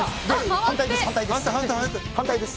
反対です。